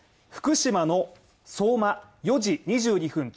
福島の相馬４時２２分